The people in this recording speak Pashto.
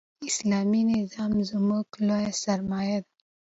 اسلامي نظام زموږ لویه سرمایه ده.